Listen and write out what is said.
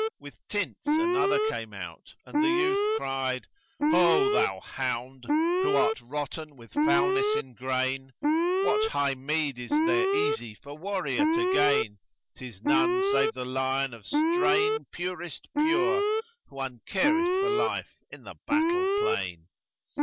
With tints, another came out, and the youth cried, "Ho thou hound, who art rotten with foulness in grain,[FN#124] * What high meed is there easy for warrior to gain? 'Tis none save the lion of strain purest pure * Who uncareth for life in the battle plain!"